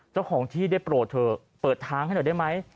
เจ้าของที่ได้โปรดเถอะเปิดทางให้หน่อยได้ไหม